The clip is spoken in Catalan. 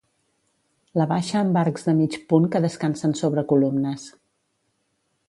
La baixa amb arcs de mig punt que descansen sobre columnes.